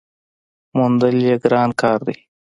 موندل یې ګران کار دی .